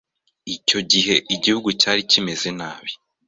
Icyo gihe igihugu cyari kimeze nabi.